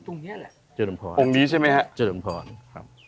ตรงนี้แหละองค์นี้ใช่ไหมครับเจริญพรครับ